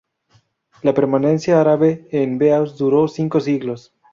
La permanencia árabe en Beas duró cinco siglos.